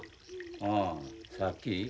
ああさっき。